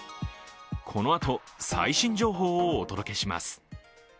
このあと最新情報をお届けします。